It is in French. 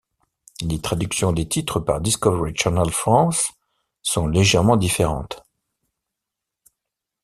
Les traductions des titres par Discovery Channel France sont légèrement différentes.